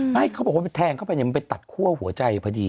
ไม่เขาบอกว่าแทงเข้าไปมันไปตัดคั่วหัวใจพอดี